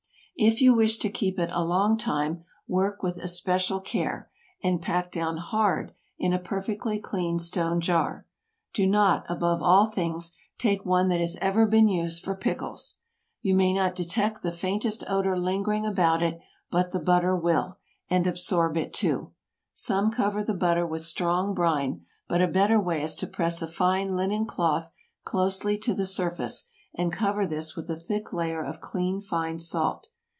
If you wish to keep it a long time, work with especial care, and pack down hard in a perfectly clean stone jar. Do not, above all things, take one that has ever been used for pickles. You may not detect the faintest odor lingering about it, but the butter will, and absorb it, too. Some cover the butter with strong brine, but a better way is to press a fine linen cloth closely to the surface, and cover this with a thick layer of clean fine salt.